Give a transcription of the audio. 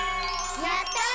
やったね！